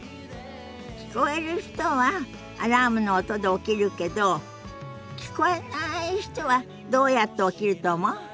聞こえる人はアラームの音で起きるけど聞こえない人はどうやって起きると思う？